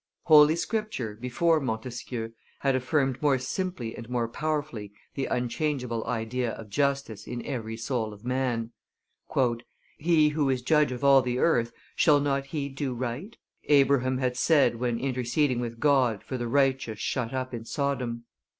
Holy Scripture, before Montesquieu, had affirmed more simply and more powerfully the unchangeable idea of justice in every soul of man. "He who is judge of all the earth, shall not He do right?." Abraham had said when interceding with God for the righteous shut up in Sodom.